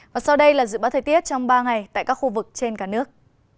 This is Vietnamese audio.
và sau đây là dự báo thời tiết trong ba ngày tại các khu vực trên cả nước